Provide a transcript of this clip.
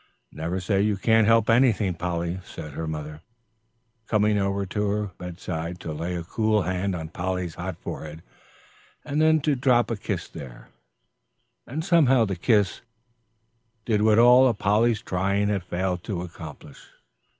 "Never say you can't help anything, Polly," said her mother, coming over to the bedside to lay a cool hand on Polly's hot forehead, and then to drop a kiss there; and somehow the kiss did what all Polly's trying had failed to accomplish.